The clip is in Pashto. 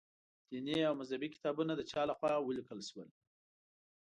دیني او مذهبي کتابونه د چا له خوا ولیکل شول.